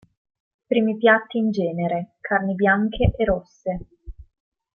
Primi piatti in genere, carni bianche e rosse.